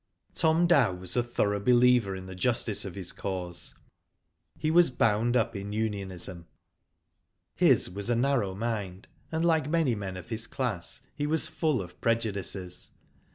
Tom Dow was a thorough believer in the justice of his cause. Digitized by Google IN THE SHED. 131 He was bound up in unionism His was a narrow mind, and like many men of his class, he was full of prejudices.